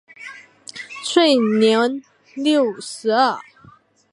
卒年六十二。